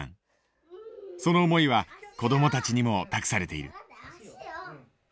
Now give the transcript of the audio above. その思いは子どもたちにも託されている。